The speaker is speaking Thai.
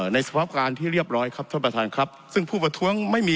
สภาพการที่เรียบร้อยครับท่านประธานครับซึ่งผู้ประท้วงไม่มี